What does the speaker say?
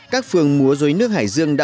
các phường mô dối nước hải dương đã